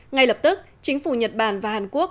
ngay lập tức chính phủ nhật bản và hàn quốc